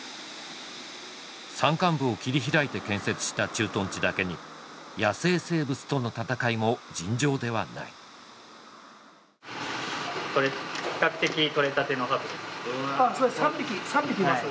山間部を切り開いて建設した駐屯地だけに野生生物との戦いも尋常ではないこれ比較的とれたてのハブあっそれ３匹３匹います？